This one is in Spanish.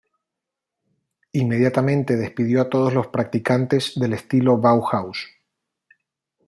Inmediatamente despidió a todos los practicantes del estilo Bauhaus.